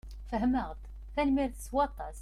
Fehmeɣ-d. Tanemmirt s waṭas.